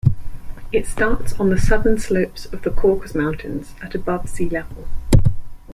It starts on the southern slopes of the Caucasus Mountains at above sea level.